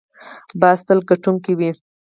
باز تل ګټونکی وي